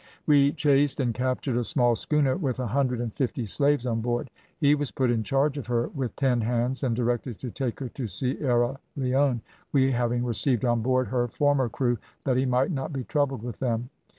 "We chased and captured a small schooner with a hundred and fifty slaves on board. He was put in charge of her with ten hands, and directed to take her to Sierra Leone, we having received on board her former crew, that he might not be troubled with them.